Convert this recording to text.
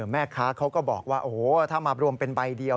แม่ค้าเขาก็บอกว่าโอ้โหถ้ามารวมเป็นใบเดียว